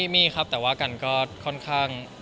มีครับแต่ว่ากันก็ค่อนข้าง